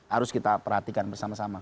harus kita perhatikan bersama sama